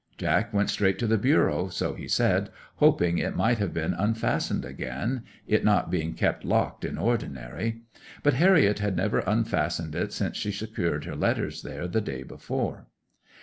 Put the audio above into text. Jack went straight to the bureau, so he said, hoping it might have been unfastened again—it not being kept locked in ordinary—but Harriet had never unfastened it since she secured her letters there the day before.